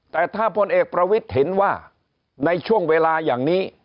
แต่ถ้าพลเอกประวิทย์เห็นว่าในช่วงเวลาอย่างนี้